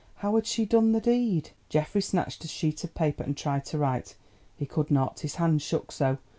how had she done the deed! Geoffrey snatched a sheet of paper and tried to write. He could not, his hand shook so.